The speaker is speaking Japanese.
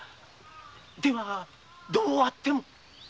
ではどうあっても？